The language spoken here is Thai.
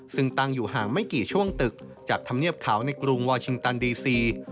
ซึ่งตั้งอยู่ห่างไม่กี่ช่วงตึกจากธรรมเนียบเขาในกรุงวาชิงตันดีซี